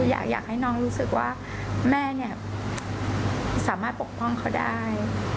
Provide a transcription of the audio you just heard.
อยากให้น้องรู้สึกว่าแม่สามารถปกป้องเขาได้